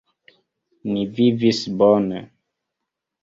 Ni vivis bone.